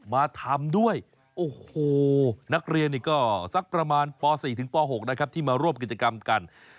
มาทำด้วยโอ้โหนักเรียนนี่ก็สักประมาณป๔ถึงป๖นะครับที่มาร่วมกิจกรรมกัน